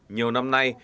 nhiều năm nay